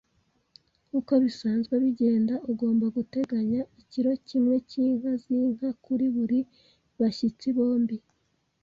Nkuko bisanzwe bigenda, ugomba guteganya ikiro kimwe cyinka zinka kuri buri bashyitsi bombi